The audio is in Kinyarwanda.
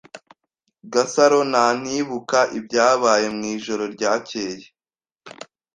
Gasaro ntanibuka ibyabaye mwijoro ryakeye.